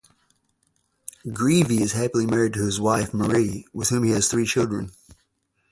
Greevey is happily married to his wife Marie, with whom he has three children.